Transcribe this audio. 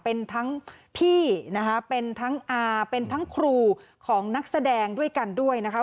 เป็นทั้งพี่นะคะเป็นทั้งอาเป็นทั้งครูของนักแสดงด้วยกันด้วยนะคะ